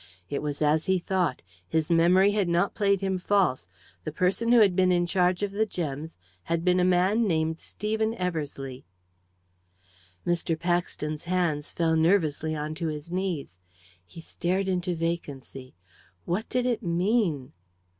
It was as he thought; his memory had not played him false the person who had been in charge of the gems had been a man named Stephen Eversleigh. Mr. Paxton's hands fell nervelessly on to his knees. He stared into vacancy. What did it mean?